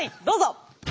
どうぞ。